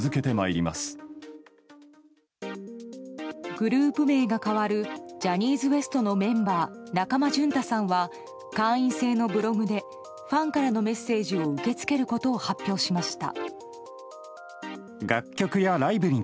グループ名が変わるジャニーズＷＥＳＴのメンバー中間淳太さんは会員制のブログでファンからのメッセージを受け付けることを発表しました。